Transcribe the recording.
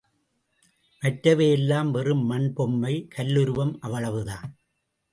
மற்றவை எல்லாம் வெறும் மண் பொம்மை, கல்லுருவம் அவ்வளவுதான்.